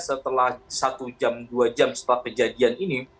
setelah satu jam dua jam setelah kejadian ini